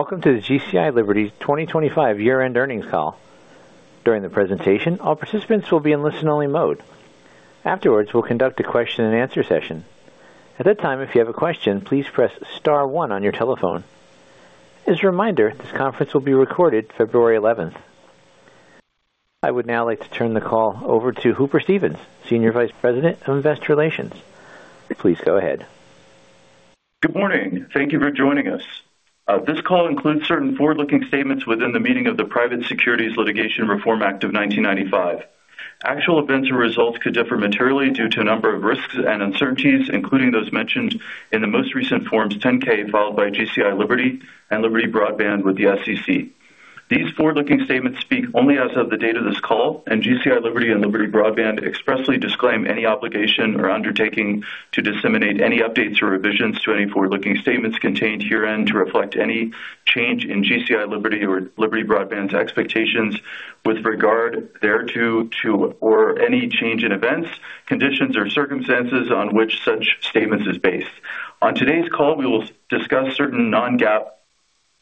Welcome to the GCI Liberty 2025 Year-End Earnings Call. During the presentation, all participants will be in Listen-Only Mode. Afterwards, we'll conduct a Question and Answer session. At that time, if you have a question, please press star one on your telephone. As a reminder, this conference will be recorded February 11th. I would now like to turn the call over to Hooper Stevens, Senior Vice President of Investor Relations. Please go ahead. Good morning. Thank you for joining us. This call includes certain forward-looking statements within the meaning of the Private Securities Litigation Reform Act of 1995. Actual events and results could differ materially due to a number of risks and uncertainties, including those mentioned in the most recent Forms 10-K filed by GCI Liberty and Liberty Broadband with the SEC. These forward-looking statements speak only as of the date of this call, and GCI Liberty and Liberty Broadband expressly disclaim any obligation or undertaking to disseminate any updates or revisions to any forward-looking statements contained herein to reflect any change in GCI Liberty or Liberty Broadband's expectations with regard thereto or any change in events, conditions, or circumstances on which such statements is based. On today's call, we will discuss certain non-GAAP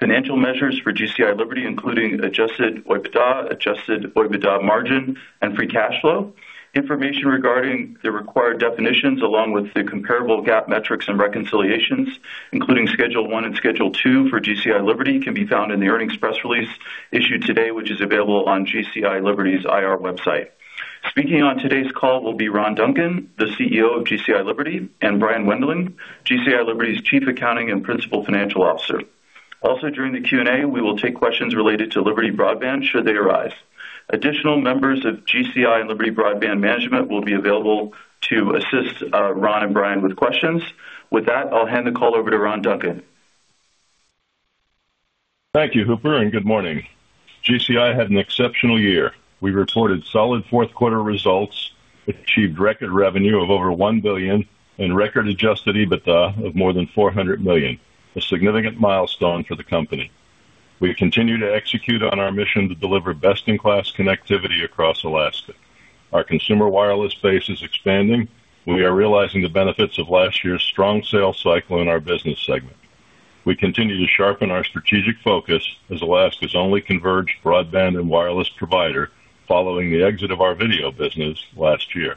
financial measures for GCI Liberty, including Adjusted OIBDA, Adjusted OIBDA margin, and Free Cash Flow. Information regarding the required definitions, along with the comparable GAAP metrics and reconciliations, including Schedule 1 and Schedule 2 for GCI Liberty, can be found in the earnings press release issued today, which is available on GCI Liberty's IR website. Speaking on today's call will be Ron Duncan, the CEO of GCI Liberty, and Brian Wendling, GCI Liberty's Chief Accounting and Principal Financial Officer. Also during the Q&A, we will take questions related to Liberty Broadband should they arise. Additional members of GCI and Liberty Broadband management will be available to assist Ron and Brian with questions. With that, I'll hand the call over to Ron Duncan. Thank you, Hooper, and good morning. GCI had an exceptional year. We reported solid fourth-quarter results, achieved record revenue of over $1 billion, and record Adjusted EBITDA of more than $400 million, a significant milestone for the company. We continue to execute on our mission to deliver best-in-class connectivity across Alaska. Our consumer wireless base is expanding. We are realizing the benefits of last year's strong sales cycle in our business segment. We continue to sharpen our strategic focus as Alaska's only converged broadband and wireless provider following the exit of our video business last year.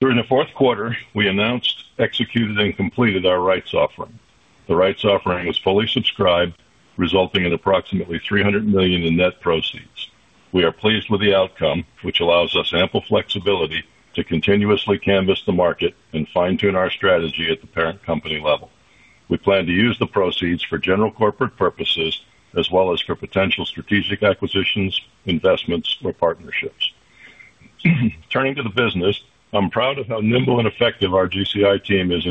During the fourth quarter, we announced, executed, and completed our rights offering. The rights offering was fully subscribed, resulting in approximately $300 million in net proceeds. We are pleased with the outcome, which allows us ample flexibility to continuously canvass the market and fine-tune our strategy at the parent company level. We plan to use the proceeds for general corporate purposes as well as for potential strategic acquisitions, investments, or partnerships. Turning to the business, I'm proud of how nimble and effective our GCI team is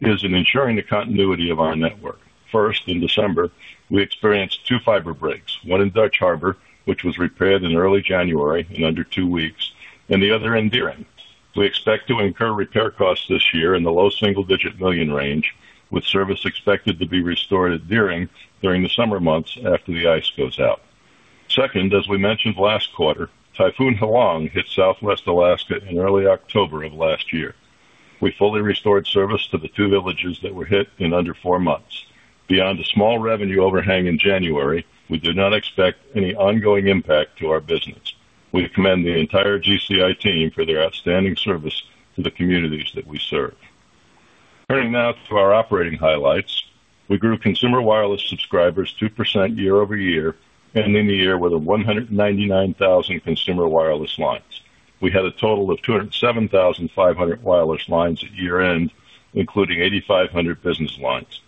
in ensuring the continuity of our network. First, in December, we experienced 2 fiber breaks, one in Dutch Harbor, which was repaired in early January in under 2 weeks, and the other in Deering. We expect to incur repair costs this year in the $1-$9 million range, with service expected to be restored at Deering during the summer months after the ice goes out. Second, as we mentioned last quarter, Typhoon Halong hit southwest Alaska in early October of last year. We fully restored service to the 2 villages that were hit in under 4 months. Beyond a small revenue overhang in January, we do not expect any ongoing impact to our business. We commend the entire GCI team for their outstanding service to the communities that we serve. Turning now to our operating highlights, we grew consumer wireless subscribers 2% year-over-year, ending the year with 199,000 consumer wireless lines. We had a total of 207,500 wireless lines at year-end, including 8,500 business lines.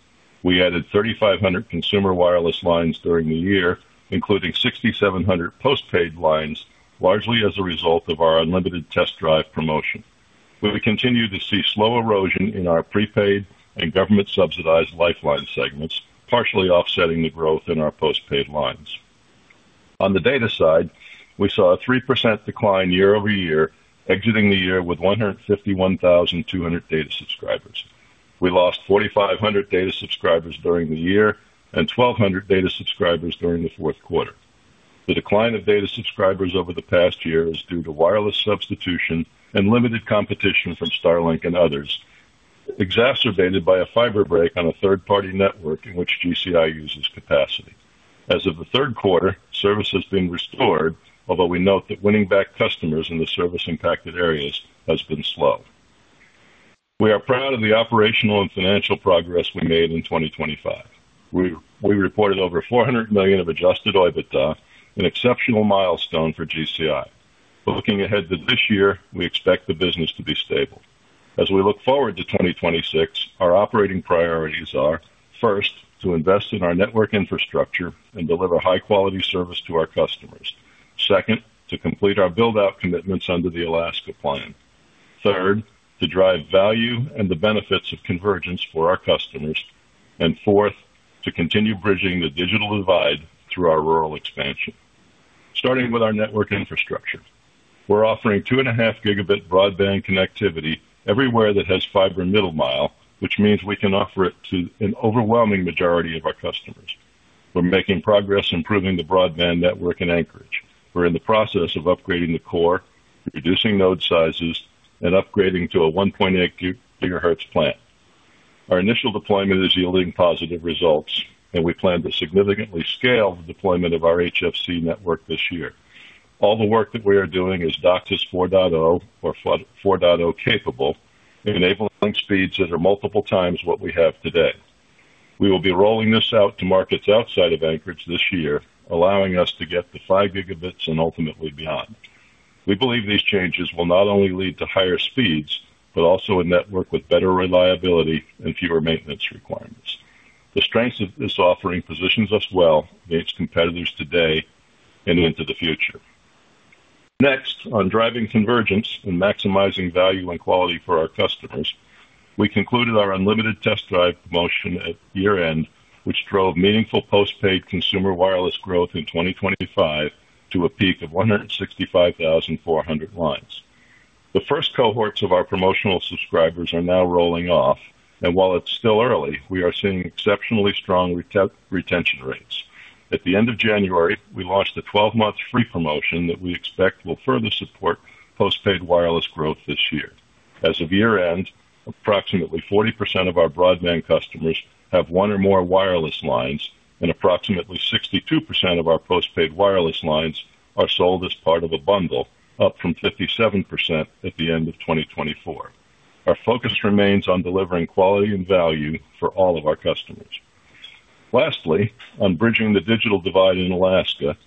We added 3,500 consumer wireless lines during the year, including 6,700 postpaid lines, largely as a result of our unlimited test drive promotion. We continue to see slow erosion in our prepaid and government-subsidized Lifeline segments, partially offsetting the growth in our postpaid lines. On the data side, we saw a 3% decline year-over-year, exiting the year with 151,200 data subscribers. We lost 4,500 data subscribers during the year and 1,200 data subscribers during the fourth quarter. The decline of data subscribers over the past year is due to wireless substitution and limited competition from Starlink and others, exacerbated by a fiber break on a third-party network in which GCI uses capacity. As of the third quarter, service has been restored, although we note that winning back customers in the service-impacted areas has been slow. We are proud of the operational and financial progress we made in 2025. We reported over $400 million of adjusted OIBDA, an exceptional milestone for GCI. Looking ahead to this year, we expect the business to be stable. As we look forward to 2026, our operating priorities are: first, to invest in our network infrastructure and deliver high-quality service to our customers. Second, to complete our build-out commitments under the Alaska Plan. Third, to drive value and the benefits of convergence for our customers. And fourth, to continue bridging the digital divide through our rural expansion. Starting with our network infrastructure, we're offering 2.5-gigabit broadband connectivity everywhere that has fiber middle mile, which means we can offer it to an overwhelming majority of our customers. We're making progress improving the broadband network in Anchorage. We're in the process of upgrading the core, reducing node sizes, and upgrading to a 1.8-GHz plant. Our initial deployment is yielding positive results, and we plan to significantly scale the deployment of our HFC network this year. All the work that we are doing is DOCSIS 4.0 or 4.0 capable, enabling speeds that are multiple times what we have today. We will be rolling this out to markets outside of Anchorage this year, allowing us to get to 5 Gb and ultimately beyond. We believe these changes will not only lead to higher speeds but also a network with better reliability and fewer maintenance requirements. The strengths of this offering position us well against competitors today and into the future. Next, on driving convergence and maximizing value and quality for our customers, we concluded our Unlimited Test Drive promotion at year-end, which drove meaningful postpaid consumer wireless growth in 2025 to a peak of 165,400 lines. The first cohorts of our promotional subscribers are now rolling off, and while it's still early, we are seeing exceptionally strong retention rates. At the end of January, we launched a 12-month free promotion that we expect will further support postpaid wireless growth this year. As of year-end, approximately 40% of our broadband customers have one or more wireless lines, and approximately 62% of our postpaid wireless lines are sold as part of a bundle, up from 57% at the end of 2024. Our focus remains on delivering quality and value for all of our customers. Lastly, on bridging the digital divide in Alaska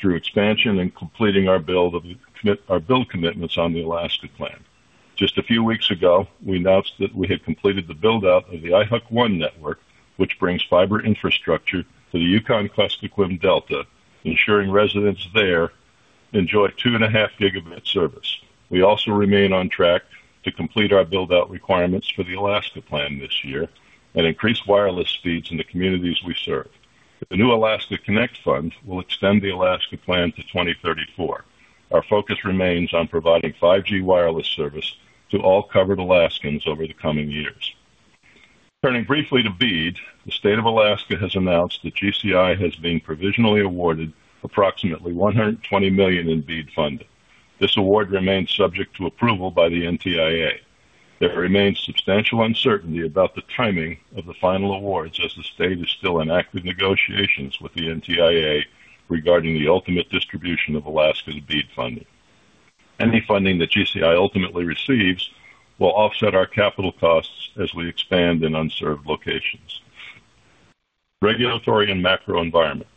through expansion and completing our build commitments on the Alaska Plan. Just a few weeks ago, we announced that we had completed the build-out of the AIRRAQ network, which brings fiber infrastructure to the Yukon-Kuskokwim Delta, ensuring residents there enjoy 2.5-gigabit service. We also remain on track to complete our build-out requirements for the Alaska Plan this year and increase wireless speeds in the communities we serve. The new Alaska Connect Fund will extend the Alaska Plan to 2034. Our focus remains on providing 5G wireless service to all covered Alaskans over the coming years. Turning briefly to BEAD, the state of Alaska has announced that GCI has been provisionally awarded approximately $120 million in BEAD funding. This award remains subject to approval by the NTIA. There remains substantial uncertainty about the timing of the final awards as the state is still in active negotiations with the NTIA regarding the ultimate distribution of Alaska's BEAD funding. Any funding that GCI ultimately receives will offset our capital costs as we expand in unserved locations. Regulatory and macro environment.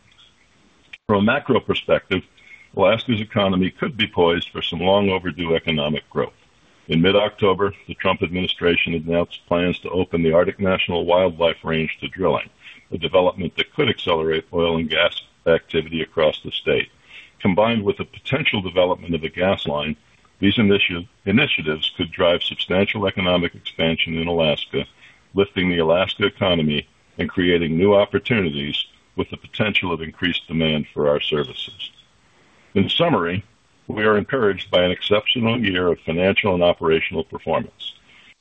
From a macro perspective, Alaska's economy could be poised for some long-overdue economic growth. In mid-October, the Trump administration announced plans to open the Arctic National Wildlife Refuge to drilling, a development that could accelerate oil and gas activity across the state. Combined with the potential development of a gas line, these initiatives could drive substantial economic expansion in Alaska, lifting the Alaska economy and creating new opportunities with the potential of increased demand for our services. In summary, we are encouraged by an exceptional year of financial and operational performance.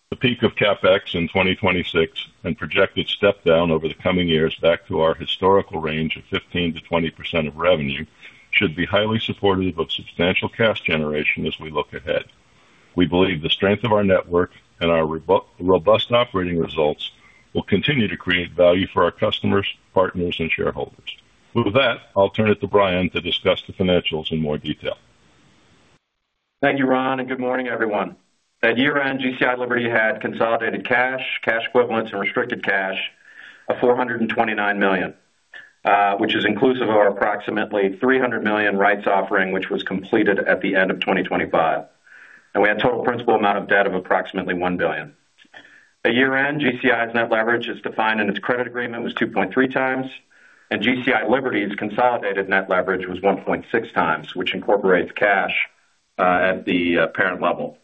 The peak of CapEx in 2026 and projected step-down over the coming years back to our historical range of 15%-20% of revenue should be highly supportive of substantial cash generation as we look ahead. We believe the strength of our network and our robust operating results will continue to create value for our customers, partners, and shareholders. With that, I'll turn it to Brian to discuss the financials in more detail. Thank you, Ron, and good morning, everyone. At year-end, GCI Liberty had consolidated cash, cash equivalents, and restricted cash of $429 million, which is inclusive of our approximately $300 million rights offering, which was completed at the end of 2025. We had total principal amount of debt of approximately $1 billion. At year-end, GCI's net leverage as defined in its credit agreement was 2.3 times, and GCI Liberty's consolidated net leverage was 1.6 times, which incorporates cash at the parent level,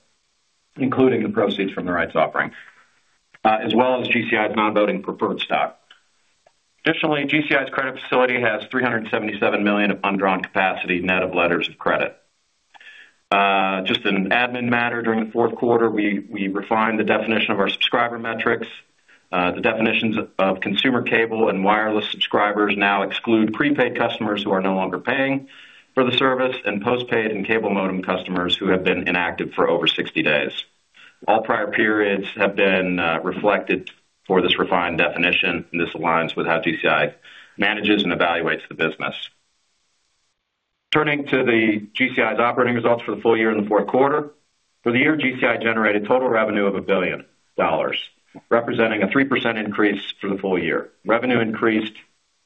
including the proceeds from the rights offering, as well as GCI's non-voting preferred stock. Additionally, GCI's credit facility has $377 million of undrawn capacity net of letters of credit. Just an admin matter, during the fourth quarter, we refined the definition of our subscriber metrics. The definitions of consumer cable and wireless subscribers now exclude prepaid customers who are no longer paying for the service and postpaid and cable modem customers who have been inactive for over 60 days. All prior periods have been reflected for this refined definition, and this aligns with how GCI manages and evaluates the business. Turning to GCI's operating results for the full year in the fourth quarter, for the year, GCI generated total revenue of $1 billion, representing a 3% increase for the full year. Revenue increased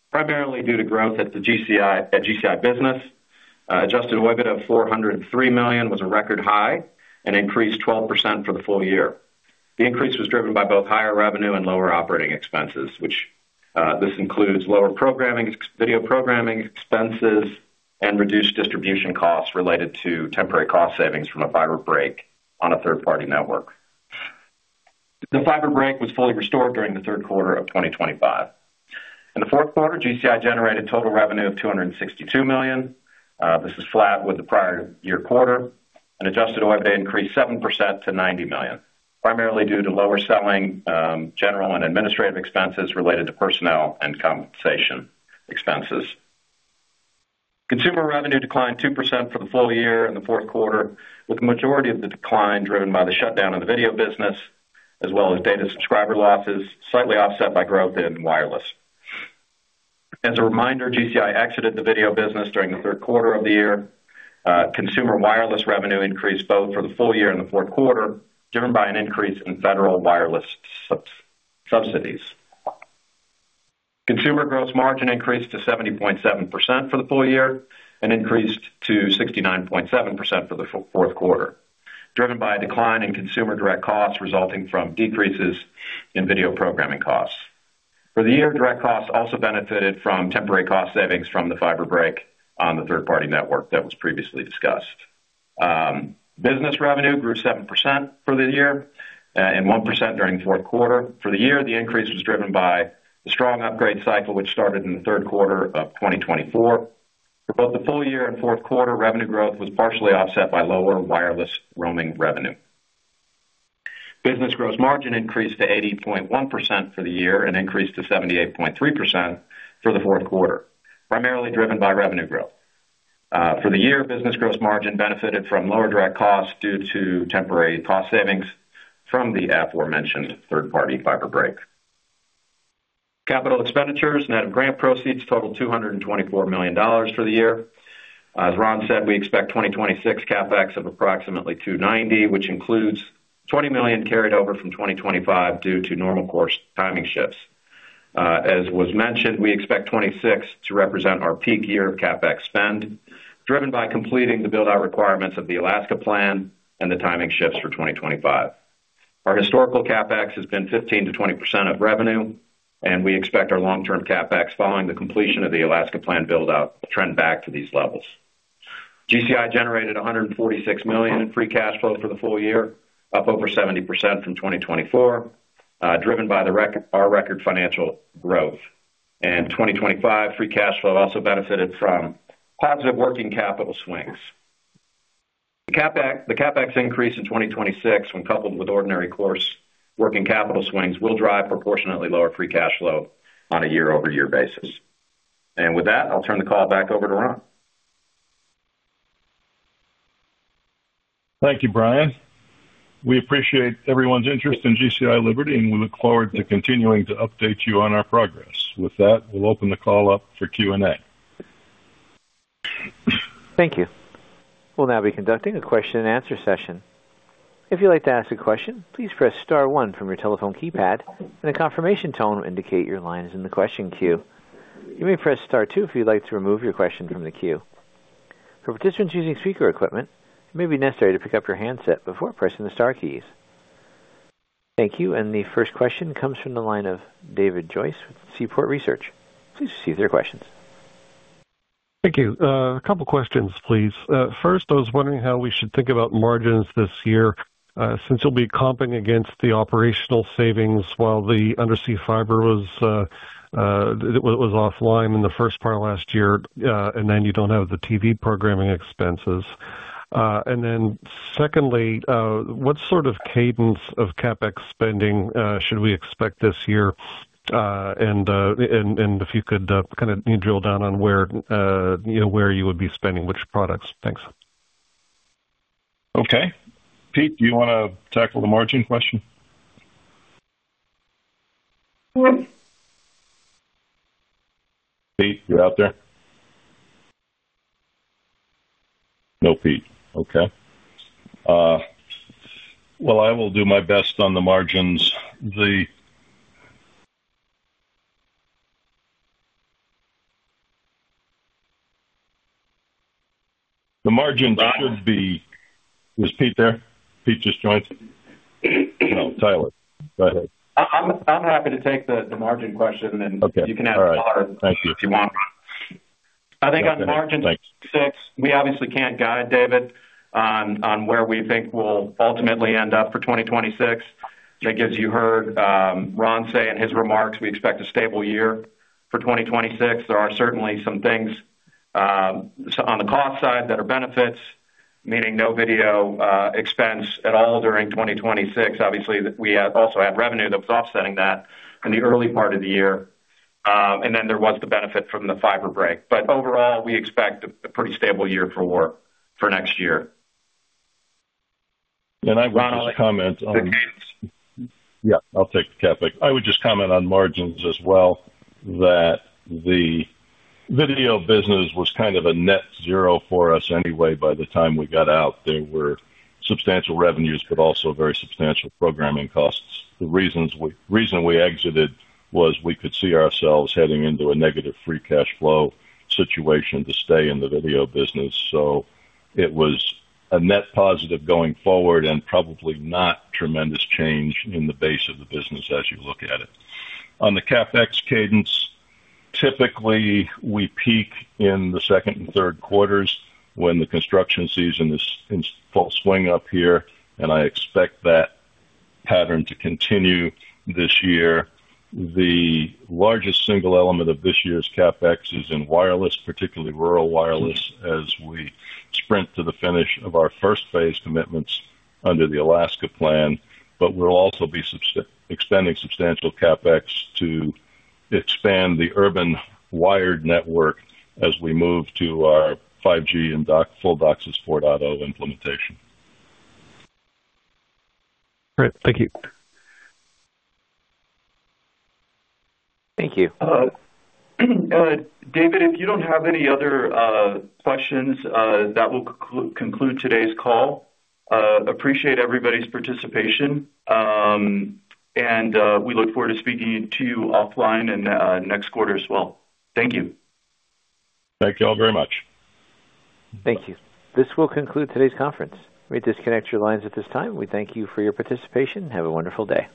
primarily due to growth at GCI business. Adjusted OIBDA of $403 million was a record high and increased 12% for the full year. The increase was driven by both higher revenue and lower operating expenses, which this includes lower video programming expenses and reduced distribution costs related to temporary cost savings from a fiber break on a third-party network. The fiber break was fully restored during the third quarter of 2025. In the fourth quarter, GCI generated total revenue of $262 million. This is flat with the prior year quarter. An Adjusted OIBDA increased 7% to $90 million, primarily due to lower selling general and administrative expenses related to personnel and compensation expenses. Consumer revenue declined 2% for the full year in the fourth quarter, with the majority of the decline driven by the shutdown of the video business as well as data subscriber losses, slightly offset by growth in wireless. As a reminder, GCI exited the video business during the third quarter of the year. Consumer wireless revenue increased both for the full year and the fourth quarter, driven by an increase in federal wireless subsidies. Consumer gross margin increased to 70.7% for the full year and increased to 69.7% for the fourth quarter, driven by a decline in consumer direct costs resulting from decreases in video programming costs. For the year, direct costs also benefited from temporary cost savings from the fiber break on the third-party network that was previously discussed. Business revenue grew 7% for the year and 1% during the fourth quarter. For the year, the increase was driven by the strong upgrade cycle, which started in the third quarter of 2024. For both the full year and fourth quarter, revenue growth was partially offset by lower wireless roaming revenue. Business gross margin increased to 80.1% for the year and increased to 78.3% for the fourth quarter, primarily driven by revenue growth. For the year, business gross margin benefited from lower direct costs due to temporary cost savings from the aforementioned third-party fiber break. Capital expenditures net of grant proceeds totaled $224 million for the year. As Ron said, we expect 2026 CapEx of approximately $290 million, which includes $20 million carried over from 2025 due to normal course timing shifts. As was mentioned, we expect 2026 to represent our peak year of CapEx spend, driven by completing the build-out requirements of the Alaska Plan and the timing shifts for 2025. Our historical CapEx has been 15%-20% of revenue, and we expect our long-term CapEx, following the completion of the Alaska Plan build-out, to trend back to these levels. GCI generated $146 million in Free Cash Flow for the full year, up over 70% from 2024, driven by our record financial growth. 2025 Free Cash Flow also benefited from positive working capital swings. The CapEx increase in 2026, when coupled with ordinary course working capital swings, will drive proportionately lower Free Cash Flow on a year-over-year basis. And with that, I'll turn the call back over to Ron. Thank you, Brian. We appreciate everyone's interest in GCI Liberty, and we look forward to continuing to update you on our progress. With that, we'll open the call up for Q&A. Thank you. We'll now be conducting a question-and-answer session. If you'd like to ask a question, please press star one from your telephone keypad, and a confirmation tone will indicate your line is in the question queue. You may press star two if you'd like to remove your question from the queue. For participants using speaker equipment, it may be necessary to pick up your handset before pressing the star keys. Thank you. The first question comes from the line of David Joyce with Seaport Research. Please receive their questions. Thank you. A couple of questions, please. First, I was wondering how we should think about margins this year since you'll be comping against the operational savings while the undersea fiber was offline in the first part of last year, and then you don't have the TV programming expenses. And then secondly, what sort of cadence of CapEx spending should we expect this year? And if you could kind of drill down on where you would be spending which products. Thanks. Okay. Pete, do you want to tackle the margin question? Pete, you're out there? No, Pete. Okay. Well, I will do my best on the margins. The margin should be. Is Pete there? Pete just joined. No, Tyler. Go ahead. I'm happy to take the margin question, and you can ask Tyler if you want, Ron. I think on margin 6, we obviously can't guide, David, on where we think we'll ultimately end up for 2026. I think as you heard Ron say in his remarks, we expect a stable year for 2026. There are certainly some things on the cost side that are benefits, meaning no video expense at all during 2026. Obviously, we also had revenue that was offsetting that in the early part of the year. And then there was the benefit from the fiber break. But overall, we expect a pretty stable year for work for next year. I would just comment on. Ron I'll? Yeah. I'll take the CapEx. I would just comment on margins as well, that the video business was kind of a net zero for us anyway by the time we got out. There were substantial revenues but also very substantial programming costs. The reason we exited was we could see ourselves heading into a negative Free Cash Flow situation to stay in the video business. So it was a net positive going forward and probably not tremendous change in the base of the business as you look at it. On the CapEx cadence, typically, we peak in the second and third quarters when the construction season is in full swing up here, and I expect that pattern to continue this year. The largest single element of this year's CapEx is in wireless, particularly rural wireless, as we sprint to the finish of our first phase commitments under the Alaska Plan. But we'll also be expending substantial CapEx to expand the urban wired network as we move to our 5G and full DOCSIS 4.0 implementation. Great. Thank you. Thank you. David, if you don't have any other questions, that will conclude today's call. Appreciate everybody's participation, and we look forward to speaking to you offline in next quarter as well. Thank you. Thank you all very much. Thank you. This will conclude today's conference. Let me disconnect your lines at this time. We thank you for your participation. Have a wonderful day.